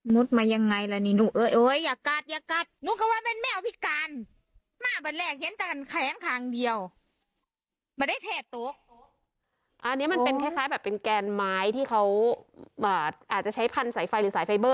มุดมายังไงละนี่หนู